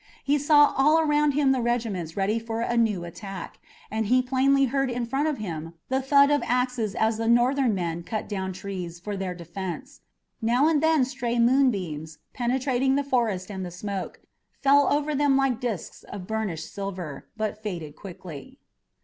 He saw all around him the regiments ready for a new attack, and he plainly heard in front of him the thud of axes as the Northern men cut down trees for their defense. Now and then stray moonbeams, penetrating the forest and the smoke, fell over them like discs of burnished silver, but faded quickly.